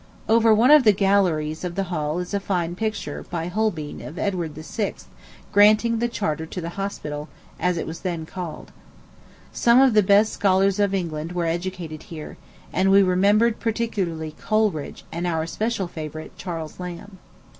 Over one of the galleries of the hall is a fine picture, by Holbein, of Edward VI. granting the charter to the Hospital, as it was then called. Some of the best scholars of England were educated here; and we remembered particularly Coleridge and our special favorite, Charles Lamb.